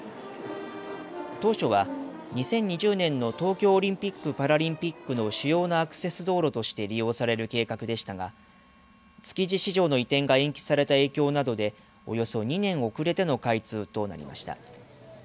当初は２０２０年の東京オリンピック・パラリンピックの主要なアクセス道路として利用される計画でしたが築地市場の移転が延期された影響などで、およそ２年遅れての開通となりました。